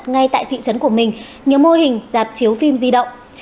ngay tại thị trấn của mình như mô hình giạp chiếu phim di động